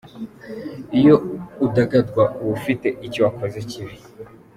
Iyo udagadwa uba ufitee icyo wakoze kibi